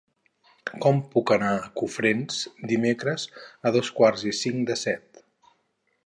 Com puc anar a Cofrents dimecres a dos quarts i cinc de set?